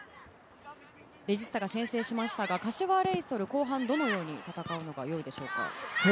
レジスタが先制しましたが、柏レイソル、後半、どのように戦うのがいいでしょうか？